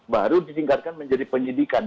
baru ditinggalkan menjadi penyidikan